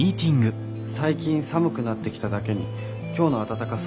最近寒くなってきただけに今日の暖かさはホッとしますね。